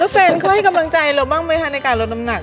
แล้วแฟนเขาให้กำลังใจเรามั้ยห้างในการลดน้ำหนัก